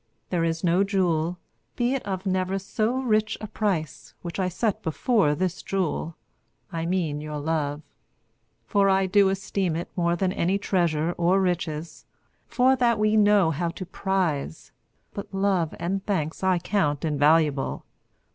There is no jewel, be it of never so rich a price, which I set before this jewel: I mean your love. For I do esteem it more than any treasure or riches; for that we know how to prize, but love and thanks I count invaluable.